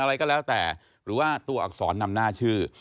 อะไรก็แล้วแต่หรือว่าตัวอักษรนำหน้าชื่อ